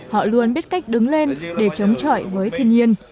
họ luôn biết cách đứng lên để chống chọi với thiên nhiên